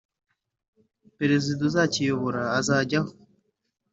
Perezida uzakiyobora azajyaho